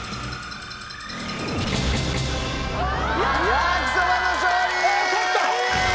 焼きそばの勝利！